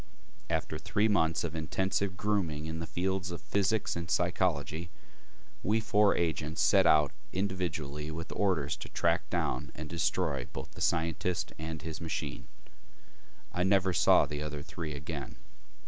After three months of intensive grooming in the fields of physics and psychology, we four agents set out individually with orders to track down and destroy both the scientist and his machine. I never saw the other three again....